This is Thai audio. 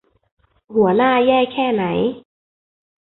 หัวหน้าแย่แค่ไหน